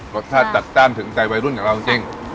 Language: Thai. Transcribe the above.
รสชาติจัดจ้านถึงใจวัยรุ่นอย่างเราจริง